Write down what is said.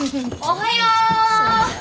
おはよう。